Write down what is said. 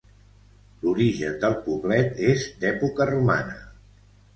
L'origen del poblet és d'època romana.